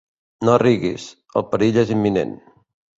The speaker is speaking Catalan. No riguis: el perill és imminent.